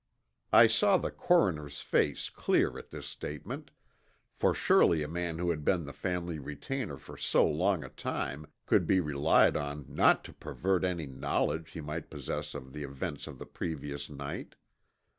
I saw the coroner's face clear at this statement, for surely a man who had been the family retainer for so long a time could be relied on not to pervert any knowledge he might possess of the events of the previous night.